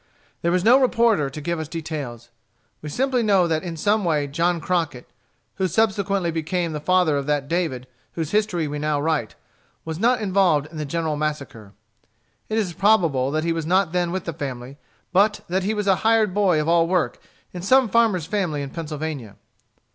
There was no reporter to give us the details. We simply know that in some way John Crockett, who subsequently became the father of that David whose history we now write, was not involved in the general massacre. It is probable that he was not then with the family, but that he was a hired boy of all work in some farmer's family in Pennsylvania.